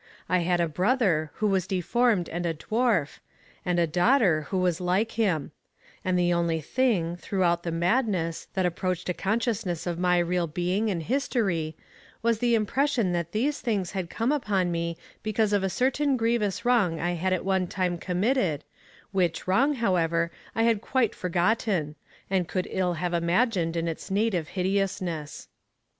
I had a brother who was deformed and a dwarf, and a daughter who was like him; and the only thing, throughout the madness, that approached a consciousness of my real being and history, was the impression that these things had come upon me because of a certain grievous wrong I had at one time committed, which wrong, however, I had quite forgotten and could ill have imagined in its native hideousness.